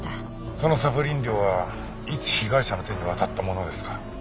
そのサプリ飲料はいつ被害者の手に渡ったものですか？